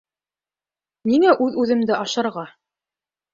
Ниңә үҙ-үҙемде ашарға?